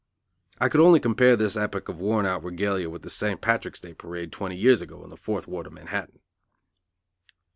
I could only compare this epoch of worn out regalia with a St. Patrick's day parade twenty years ago in the fourth ward of Manhattan.